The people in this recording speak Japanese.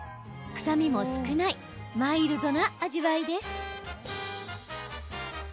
臭みも少ないマイルドな味わいです。